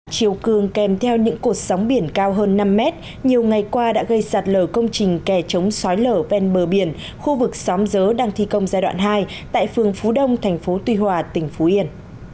chiều cường kèm theo những cột sóng biển cao hơn năm mét nhiều ngày qua đã gây sạt lở công trình kè chống sói lở ven bờ biển khu vực sóng rớ đang thi công giai đoạn hai tại phường phú đông tp tuy hòa tỉnh phú yên